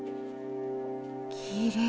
きれい。